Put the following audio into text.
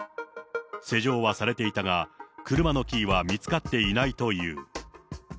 施錠はされていたが、車のキーは見つかっていないという。